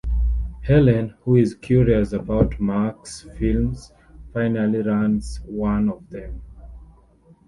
Helen, who is curious about Mark's films, finally runs one of them.